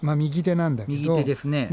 右手ですね。